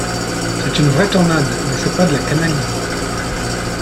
C'est une vraie tornade, n'essaie pas de la canaliser.